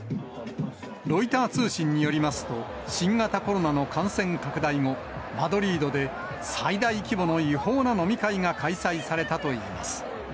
ロイター通信によりますと、新型コロナの感染拡大後、マドリードで最大規模の違法な飲み会が開催されたといいます。